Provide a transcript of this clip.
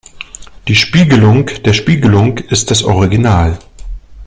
Die Spiegelung der Spiegelung ist das Original.